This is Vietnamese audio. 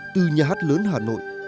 từ nhà hát lớn hà nội